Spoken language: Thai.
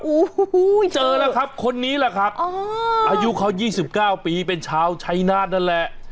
โอ้โหเจอแล้วครับคนนี้แหละครับอายุเขา๒๙ปีเป็นชาวชัยนาธนั่นแหละ